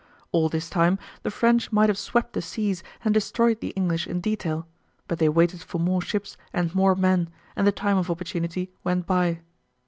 All this time the French might have swept the seas and destroyed the English in detail; but they waited for more ships and more men, and the time of opportunity went by.